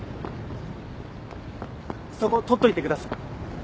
そこ取っといてください。